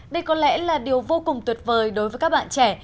đây có lẽ là điều vô cùng tuyệt vời đối với các bạn trẻ